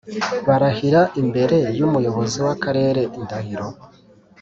barahira imbere y Umuyobozi w Akarere indahiro